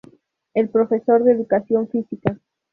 Es profesor de Educación Física.